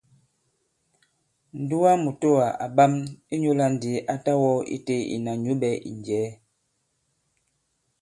Ǹdugamùtowà à ɓam ; ìnyula ndi a ta wɔ ite ìna nyũɓɛ ì njɛ̀ɛ.